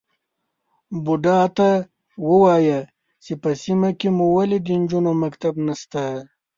_بوډا ته ووايه چې په سيمه کې مو ولې د نجونو مکتب نشته؟